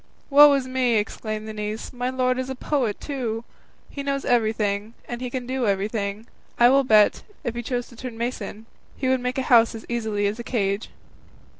"Woe is me!" exclaimed the niece, "my lord is a poet, too! He knows everything, and he can do everything; I will bet, if he chose to turn mason, he could make a house as easily as a cage."